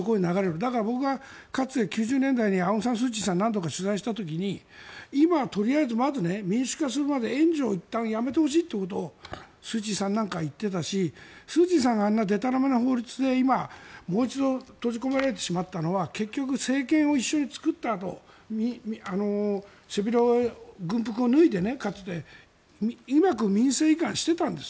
だから僕がかつて９０年代にアウンサンスーチーさんを取材した時に今はとりあえず民主化するまで援助をいったんやめてほしいというのをスーチーさんなんかは言っていたしスーチーさんがあんなでたらめな法律で今、もう一度閉じ込められてしまったのは政権を一緒に作った軍服を脱いでうまく民政移管してたんです。